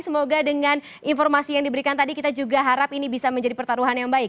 semoga dengan informasi yang diberikan tadi kita juga harap ini bisa menjadi pertaruhan yang baik